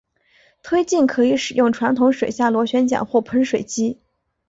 推进可以使用传统水下螺旋桨或喷水机。